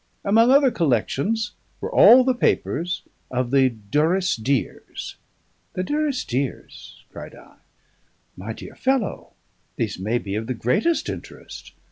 Among other collections, were all the papers of the Durrisdeers." "The Durrisdeers!" cried I. "My dear fellow, these may be of the greatest interest.